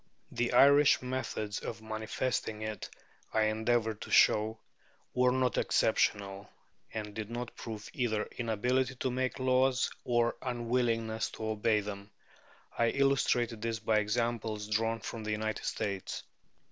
The Irish methods of manifesting it, I endeavoured to show, were not exceptional, and did not prove either inability to make laws or unwillingness to obey them. I illustrated this by examples drawn from the United States.